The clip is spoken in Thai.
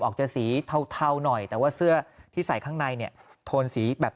ออกจะสีเทาหน่อยแต่ว่าเสื้อที่ใส่ข้างในเนี่ยโทนสีแบบ